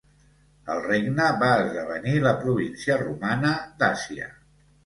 El regne va esdevenir la província romana d'Àsia.